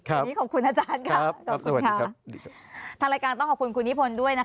ครับสวัสดีครับดีครับทางรายการต้องขอบคุณคุณนิพนธ์ด้วยนะคะ